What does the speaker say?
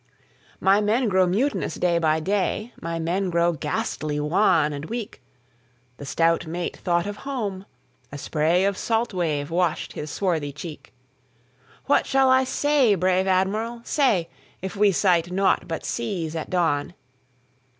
'""My men grow mutinous day by day; My men grow ghastly wan and weak."The stout mate thought of home; a sprayOf salt wave washed his swarthy cheek."What shall I say, brave Admiral, say, If we sight naught but seas at dawn?"